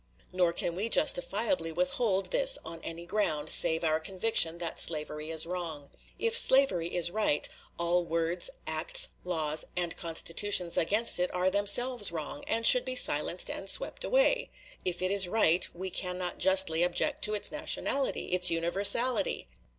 Nor can we justifiably withhold this on any ground, save our conviction that slavery is wrong. If slavery is right, all words, acts, laws, and constitutions against it are themselves wrong, and should be silenced and swept away. If it is right, we cannot justly object to its nationality its universality!